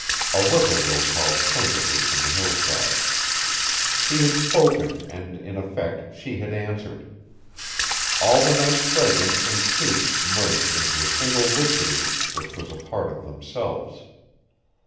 A whippoorwill called plaintively from the hillside. He had spoken and in effect she had answered. All the night's fragrance and cadence merged into a single witchery which was a part of themselves.